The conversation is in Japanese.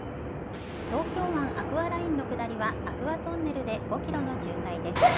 東京湾アクアラインの下りは、アクアトンネルで５キロの渋滞です。